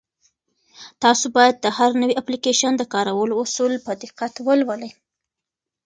تاسو باید د هر نوي اپلیکیشن د کارولو اصول په دقت ولولئ.